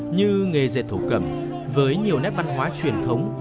như nghề dệt thổ cầm với nhiều nét văn hóa truyền thống